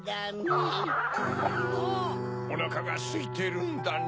おなかがすいてるんだね。